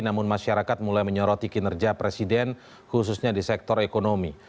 namun masyarakat mulai menyoroti kinerja presiden khususnya di sektor ekonomi